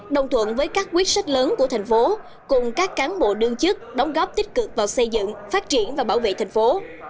đồng thuận với các quyết sách lớn của thành phố cùng các cán bộ đương chức đóng góp tích cực vào xây dựng phát triển và bảo vệ thành phố